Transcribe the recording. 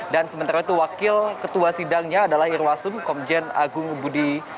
dan sementara itu wakil ketua sidangnya adalah irwasung komjen agung budi